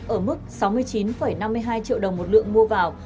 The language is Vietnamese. ở mức sáu mươi chín năm mươi hai triệu đồng một lượng mua vào